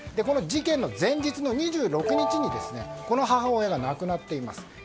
この事件の前日の２６日にこの母親が亡くなっています。